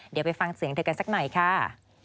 เดี๋ยวไปฟังเสียงเธอกันสักหน่อยค่ะ